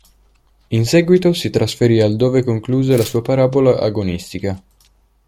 In seguito si trasferì al dove concluse la sua parabola agonistica.